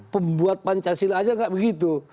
pembuat pancasila aja nggak begitu